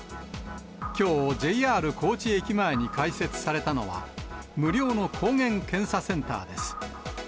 きょう、ＪＲ高知駅前に開設されたのは、無料の抗原検査センターです。